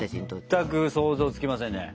全く想像つきませんね。